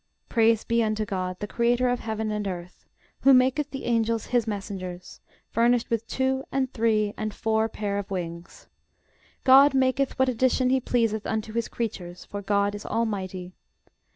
Praise be unto GOD, the creator of heaven and earth; who maketh the angels his messengers, furnished with two, and three, and four pair of wings: GOD maketh what addition he pleaseth unto his creatures; for GOD is almighty.